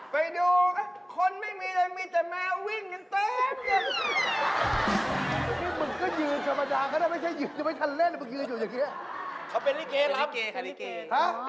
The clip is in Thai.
ไปดูคนไม่มีเลยมีแต่แมววิ่งกันเต็ม